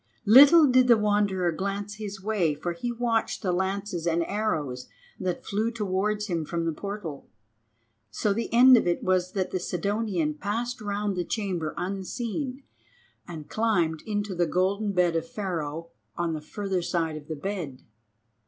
Little did the Wanderer glance his way, for he watched the lances and arrows that flew towards him from the portal, so the end of it was that the Sidonian passed round the chamber unseen and climbed into the golden bed of Pharaoh on the further side of the bed.